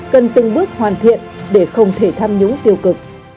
cần từng bước hoàn thiện để không thể tham nhũng tiêu cực